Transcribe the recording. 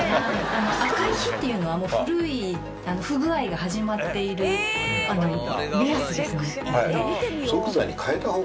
赤い火っていうのはもう古い不具合が始まっている目安です。